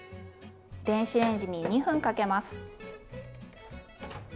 電子レンジに２分かけます。